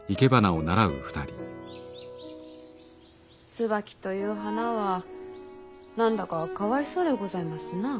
椿という花は何だかかわいそうでございますなぁ。